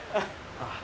あっ。